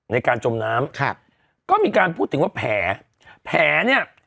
ในการจมน้ำครับก็มีการพูดถึงว่าแผลแผลเนี่ย